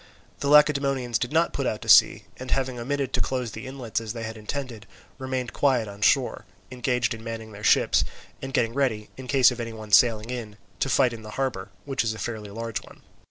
The Lacedaemonians did not put out to sea, and having omitted to close the inlets as they had intended, remained quiet on shore, engaged in manning their ships and getting ready, in the case of any one sailing in, to fight in the harbour, which is a fairly large one.